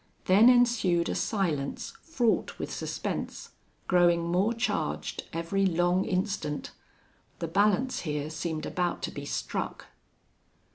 Then ensued a silence fraught with suspense, growing more charged every long instant. The balance here seemed about to be struck.